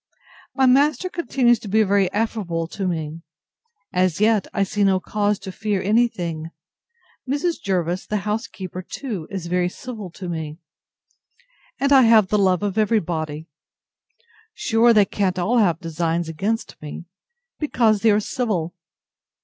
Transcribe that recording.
My master continues to be very affable to me. As yet I see no cause to fear any thing. Mrs. Jervis, the housekeeper, too, is very civil to me, and I have the love of every body. Sure they can't all have designs against me, because they are civil!